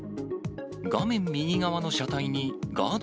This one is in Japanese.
画面右側の車体にガード